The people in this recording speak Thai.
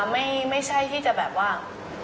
ไม่ใช่ที่จะแบบว่า